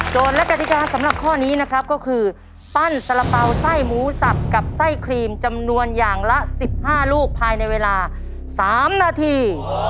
และกฎิกาสำหรับข้อนี้นะครับก็คือปั้นสารเป๋าไส้หมูสับกับไส้ครีมจำนวนอย่างละ๑๕ลูกภายในเวลา๓นาที